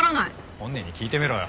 本人に聞いてみろよ。